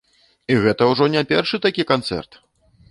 І гэта ўжо не першы такі канцэрт!